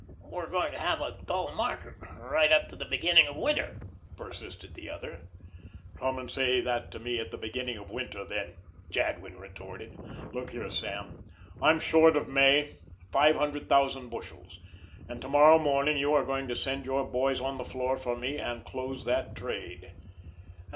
"We're going to have a dull market right up to the beginning of winter," persisted the other. "Come and say that to me at the beginning of winter, then," Jadwin retorted. "Look here, Sam, I'm short of May five hundred thousand bushels, and to morrow morning you are going to send your boys on the floor for me and close that trade."